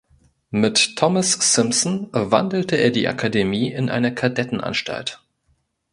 Mit Thomas Simpson wandelte er die Akademie in eine Kadettenanstalt.